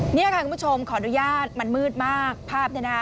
นี่ค่ะคุณผู้ชมขออนุญาตมันมืดมากภาพเนี่ยนะคะ